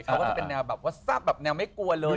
เขาก็จะเป็นแนวแบบว่าแซ่บแบบแนวไม่กลัวเลย